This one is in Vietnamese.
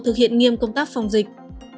thực hiện nghiêm công tác phòng dịch